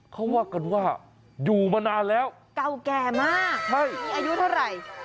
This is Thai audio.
เขาว่ากันว่าอยู่มานานแล้วเก่าแก่มากใช่มีอายุเท่าไหร่